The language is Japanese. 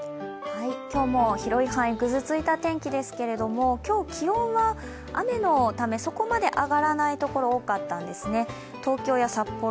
今日も広い範囲、ぐずついた天気ですけれども、今日、気温は雨のため、そこまで上がらないところが多かったんですね。